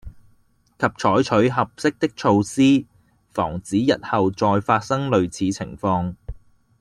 及採取合適的措施，防止日後再發生類似情況